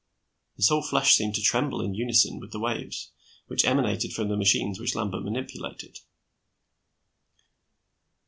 His whole flesh seemed to tremble in unison with the waves which emanated from the machines which Lambert manipulated.